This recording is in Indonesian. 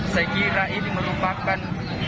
saya kira ini merupakan